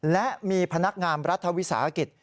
และมีพนักงามรัฐวิสาหกิจ